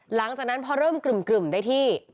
หลังจากนั้นพอเริ่มกรึ่มได้ที่